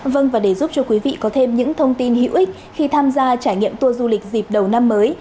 vâng và để giúp cho quý vị có thêm những thông tin hữu ích khi tham gia trải nghiệm tour du lịch dịp đầu năm mới